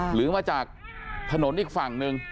หรือมาจากถนนอีกฝั่งหนึ่ง